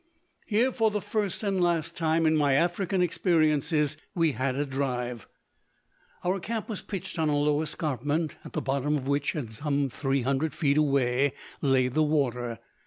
Here, for the first and last time in my African experiences, we had a drive. Our camp was pitched on a low escarpment, at the bottom of which, and some 300 feet away, lay the water.